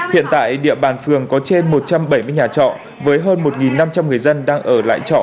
hiện tại địa bàn phường có trên một trăm bảy mươi nhà trọ với hơn một năm trăm linh người dân đang ở lại trọ